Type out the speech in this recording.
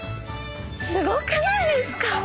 すごくないですか？